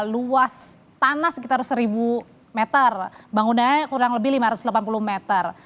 luas tanah sekitar seribu meter bangunannya kurang lebih lima ratus delapan puluh meter